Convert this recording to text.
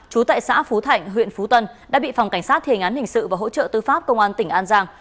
trú tại xã phú thạnh huyện phú tân đã bị phòng cảnh sát thề ngán hình sự và hỗ trợ tư pháp công an tỉnh an giang